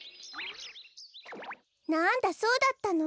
なんだそうだったの。